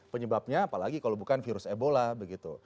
penyebabnya apalagi kalau bukan virus ebola begitu